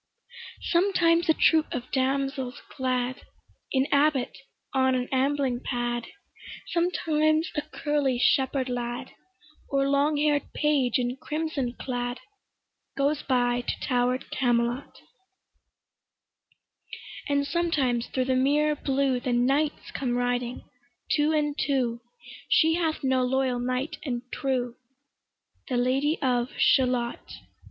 Sometimes a troop of damsels glad, An abbot on an ambling pad, Sometimes a curly shepherd lad, Or long hair'd page in crimson clad, Goes by to tower'd Camelot; And sometimes thro' the mirror blue The knights come riding two and two: She hath no loyal knight and true, The Lady of Shalott.